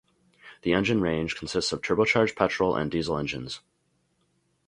The engine range consists of turbocharged petrol and diesel engines.